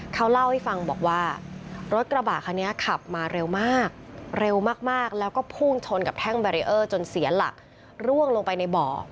เขาเล่าให้ฟังบอกว่ารถกระบะคันนี้ขับมาเร็วมากเร็วมากแล้วก็พุ่งชนกับแท่งแบรีเออร์จนเสียหลักร่วงลงไปในบ่อ